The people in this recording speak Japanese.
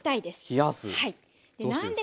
冷やす。